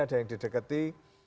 ada yang didekati